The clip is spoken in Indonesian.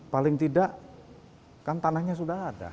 paling tidak kan tanahnya sudah ada